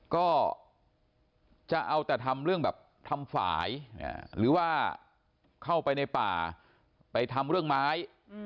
ก็จะเอาแต่ทำเรื่องแบบทำฝ่ายหรือว่าเข้าไปในป่าไปทำเรื่องไม้